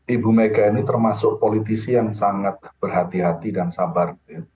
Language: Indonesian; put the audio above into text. ibu mega ini termasuk politisi yang sangat berhati hati dan sabar